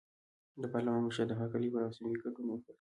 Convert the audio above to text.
د پارلمان مشر د هرکلي په مراسمو کې ګډون وکړ.